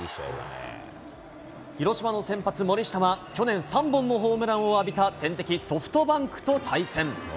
広島の先発、森下は、去年、３本のホームランを浴びた天敵、ソフトバンクと対戦。